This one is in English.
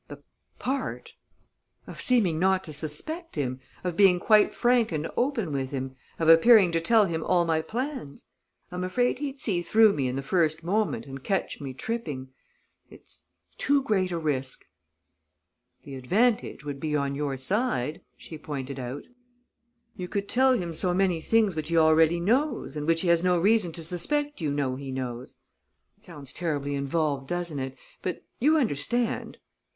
"The part?" "Of seeming not to suspect him, of being quite frank and open with him, of appearing to tell him all my plans. I'm afraid he'd see through me in the first moment and catch me tripping. It's too great a risk." "The advantage would be on your side," she pointed out; "you could tell him so many things which he already knows, and which he has no reason to suspect you know he knows it sounds terribly involved, doesn't it? But you understand?"